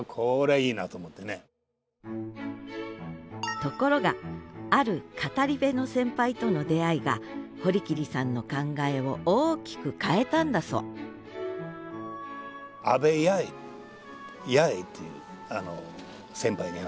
ところがある語り部の先輩との出会いが堀切さんの考えを大きく変えたんだそうヤヱさん。